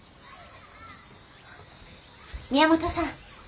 宮本さん。